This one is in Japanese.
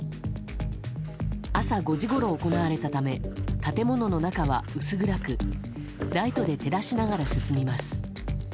朝５時ごろ行われたため建物の中は薄暗くライトで照らしながら進みます。